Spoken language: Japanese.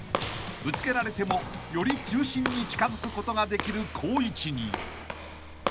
［ぶつけられてもより中心に近づくことができる好位置に］